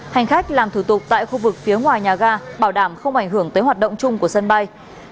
hành khách làm thủ tục tại khu vực phía ngoài nhà ga bảo đảm không ảnh hưởng tới hoạt động chung của sân bay